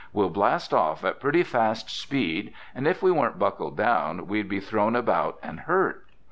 "We'll blast off at a pretty fast speed and if we weren't buckled down we'd be thrown about and hurt."